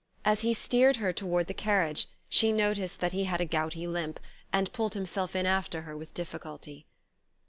As he steered her toward the carriage she noticed that he had a gouty limp, and pulled himself in after her with difficulty.